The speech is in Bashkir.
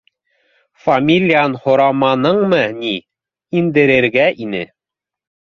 Фамилияһын һораманыңмы ни? Индерергә ине